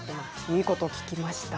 いいことを聞きました。